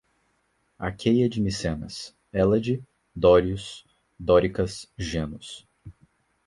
Aqueia de Micenas, Hélade, dórios, dóricas, genos